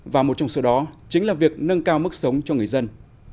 và một trong số đó chính là việc nâng cao mức sống cho người dân